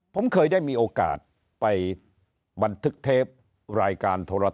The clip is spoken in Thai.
ผมเคยได้มีโอกาสไปบันทึกเทปรายการโทรศัพ